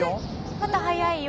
まだ早いよ。